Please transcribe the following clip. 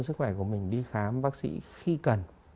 sức khỏe của mình đi khám bác sĩ khi cần